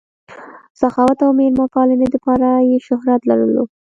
سخاوت او مېلمه پالنې دپاره ئې شهرت لرلو